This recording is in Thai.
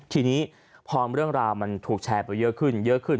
ทีนี้พอเรื่องราวมันถูกแชร์ไปเยอะขึ้นเยอะขึ้น